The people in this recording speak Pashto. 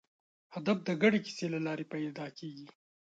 هدف د ګډې کیسې له لارې پیدا کېږي.